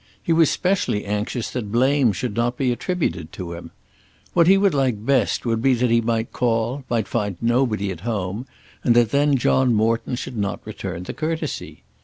He was specially anxious that blame should not be attributed to him. What he would like best would be that he might call, might find nobody at home, and that then John Morton should not return the courtesy.